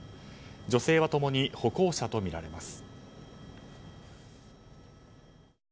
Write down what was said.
女性は共に歩行者とみられます。